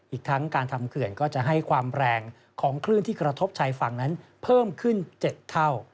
อีกทั้งการทำเขื่อนก็จะให้ความแรงของคลื่นที่กระทบชายฝั่งนั้นเพิ่มขึ้น๗เท่า